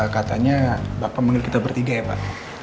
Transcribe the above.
katanya bapak memanggil kita bertiga ya pak